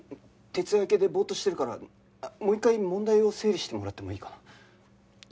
徹夜明けでボーッとしてるからもう一回問題を整理してもらってもいいかな？